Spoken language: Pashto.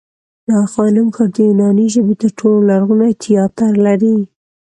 د آی خانم ښار د یوناني ژبې تر ټولو لرغونی تیاتر لري